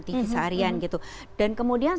tinggi seharian gitu dan kemudian